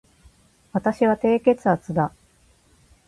私は低血圧だ